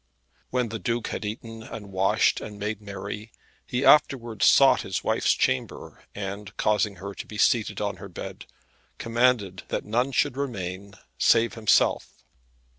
When the Duke had eaten and washed and made merry, he afterwards sought his wife's chamber, and causing her to be seated on her bed, commanded that none should remain, save himself.